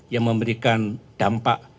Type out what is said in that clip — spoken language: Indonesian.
yang memberikan dampak